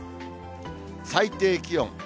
最低気温。